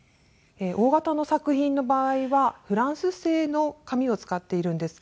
大型の作品の場合はフランス製の紙を使っているんですけど。